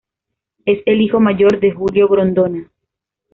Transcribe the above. Es el hijo mayor de Julio Grondona.